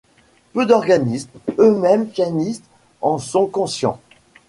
Peu d'organistes, eux-mêmes pianistes, en sont conscients.